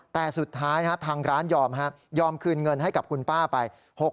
แต่สุดท้ายทางร้านยอมยอมคืนเงินให้กับคุณป้าไป